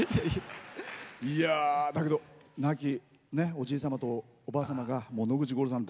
だけど、亡きおじい様とおばあ様が、野口五郎さん